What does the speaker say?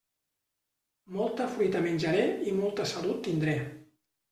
Molta fruita menjaré i molta salut tindré.